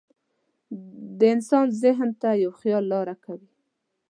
د انسان ذهن ته یو خیال لاره کوي.